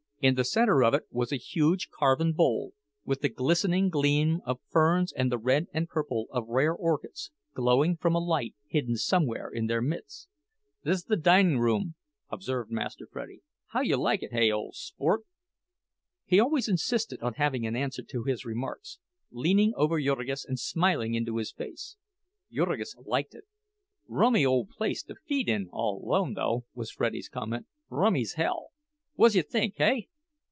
In the center of it was a huge carven bowl, with the glistening gleam of ferns and the red and purple of rare orchids, glowing from a light hidden somewhere in their midst. "This's the dinin' room," observed Master Freddie. "How you like it, hey, ole sport?" He always insisted on having an answer to his remarks, leaning over Jurgis and smiling into his face. Jurgis liked it. "Rummy ole place to feed in all 'lone, though," was Freddie's comment—"rummy's hell! Whuzya think, hey?"